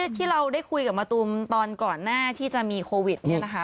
ที่เราได้คุยกับมะตูมตอนก่อนหน้าที่จะมีโควิดเนี่ยนะคะ